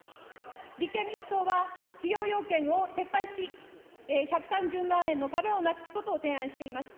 立憲民主党は企業要件を撤廃し、１３０万円の壁をなくすことを提案しています。